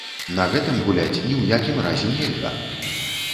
На гэтым гуляць ні ў якім разе нельга!